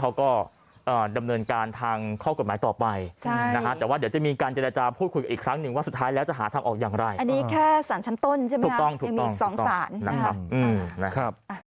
เขาก็ดำเนินการทางข้อกฎหมายต่อไปแต่ว่าเดี๋ยวจะมีการเจรจาพูดคุยกันอีกครั้งหนึ่งว่าสุดท้ายแล้วจะหาทางออกอย่างไรอันนี้แค่สารชั้นต้นใช่ไหมถูกต้องถูกต้องนะครับ